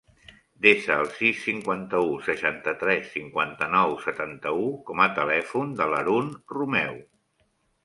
Desa el sis, cinquanta-u, seixanta-tres, cinquanta-nou, setanta-u com a telèfon de l'Haroun Romeo.